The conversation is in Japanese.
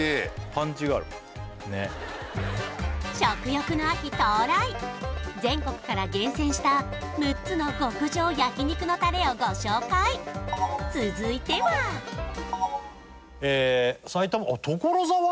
パンチがあるねっ食欲の秋到来全国から厳選した６つの極上焼肉のタレをご紹介続いては所沢？